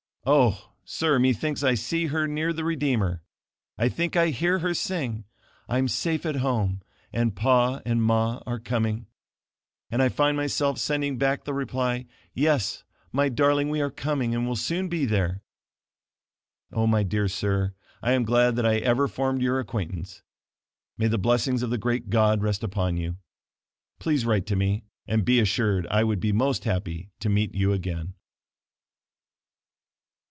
Oh! sir, me thinks I see her near the Redeemer. I think I hear her sing! "I'm safe at home, and pa and ma are coming," and I find myself sending back the reply: "Yes, my darling we are coming and will soon be there." Oh, my dear sir, I am glad that I ever formed your acquaintance; may the blessing of the great God rest upon you. Please write to me, and be assured, I would be most happy to meet you again.